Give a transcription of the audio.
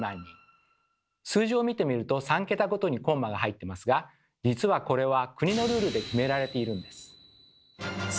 数字を見てみると３桁ごとにコンマが入ってますが実はこれは国のルールで決められているんです。